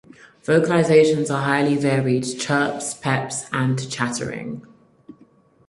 Vocalizations are highly varied chirps, peeps, and chattering.